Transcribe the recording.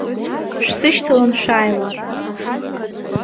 Шәсышьҭалан шәааила!